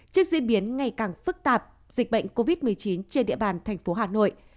trước diễn biến ngày càng phức tạp dịch bệnh covid một mươi chín trên địa bàn tp hà nội